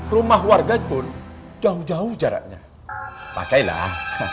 rumah warga pun jauh jauh jaraknya pakailah